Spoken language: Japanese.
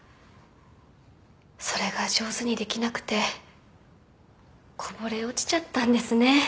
それが上手にできなくてこぼれ落ちちゃったんですね